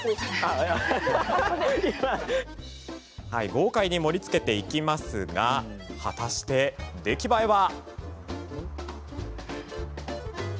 豪快に盛りつけていきますが果たして、出来栄えは。